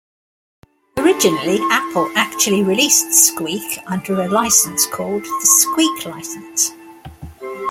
Originally, Apple actually released Squeak under a license called the "Squeak License".